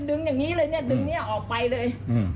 อย่างนี้เลยเนี่ยดึงเนี่ยออกไปเลย